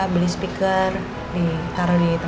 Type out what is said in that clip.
selesai permisi dulu ya